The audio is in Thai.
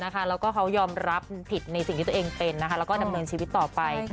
แล้วก็เขายอมรับผิดในสิ่งที่ตัวเองเป็นแล้วก็ดำเนินชีวิตต่อไป